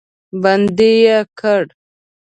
بندي یې کړ.